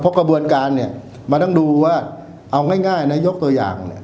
เพราะกระบวนการเนี่ยมันต้องดูว่าเอาง่ายนะยกตัวอย่างเนี่ย